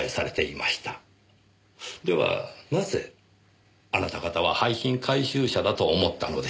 ではなぜあなた方は廃品回収車だと思ったのでしょう？